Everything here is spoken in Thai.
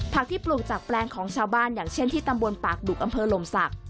ที่ปลูกจากแปลงของชาวบ้านอย่างเช่นที่ตำบลปากดุกอำเภอลมศักดิ์